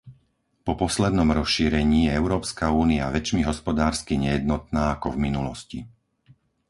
Po poslednom rozšírení je Európska únia väčšmi hospodársky nejednotná ako v minulosti.